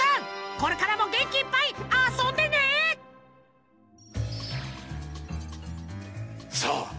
これからもげんきいっぱいあそんでねさあ